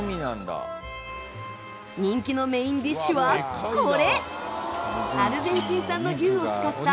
人気のメインディッシュはこれ。